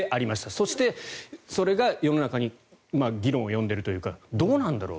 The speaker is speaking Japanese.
そして、それが世の中に議論を呼んでいるというかどうなんだろう。